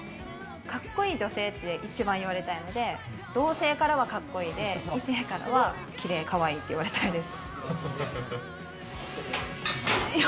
カッコいい女性って一番言われたいので、同性からはカッコいいで、異性からはキレイ、かわいいって言われたいです。